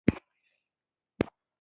په تېر کې افغان نېشنلېزم جهالت ګڼل کېده.